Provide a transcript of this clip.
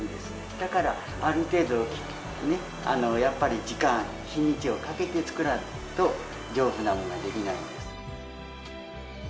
だから、ある程度、やっぱり時間、日にちをかけて作らないと丈夫なもんができないんです。